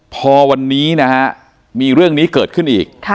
พอวันนี้นะฮะมีเรื่องนี้เกิดขึ้นอีก